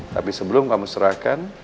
tapi sebelum kamu serahkan